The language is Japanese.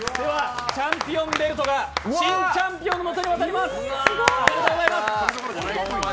チャンピオンベルトが新チャンピオンの手に渡ります。